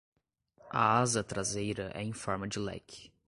A asa traseira é em forma de leque.